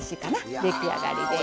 出来上がりです。